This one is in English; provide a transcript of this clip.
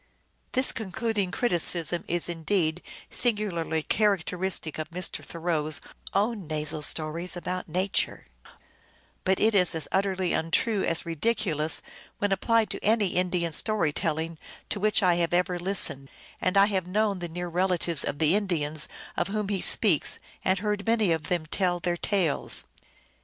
This concluding criticism is indeed singularly characteristic of Mr. Thoreau s own nasal stories about Nature, but it is as utterly untrue as ridiculous when applied to any Indian story telling to which I have ever listened, and I have known the near relatives of the Indians of whom he speaks, and heard many of them tell their tales.